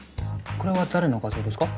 これは誰の画像ですか？